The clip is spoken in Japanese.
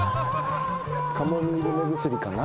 カモミール目薬かな？